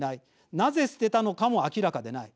なぜ捨てたのかも明らかでない。